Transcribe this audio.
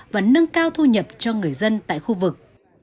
và nâng cao thu nhập cho người dân tại khu vực